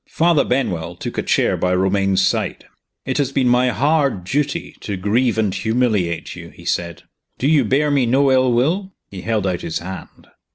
Father Benwell took a chair by Romayne's side. "It has been my hard duty to grieve and humiliate you," he said. "Do you bear me no ill will?" He held out his hand.